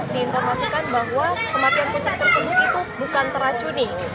diinformasikan bahwa kematian puluhan kucing tersebut itu bukan teracuni